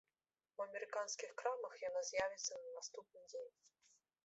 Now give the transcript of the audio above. У амерыканскіх крамах яна з'явіцца на наступны дзень.